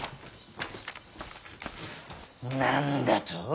何だと？